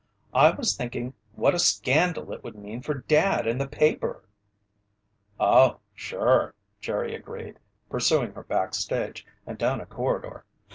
I was thinking what a scandal it would mean for Dad and the paper!" "Oh, sure," Jerry agreed, pursuing her backstage and down a corridor.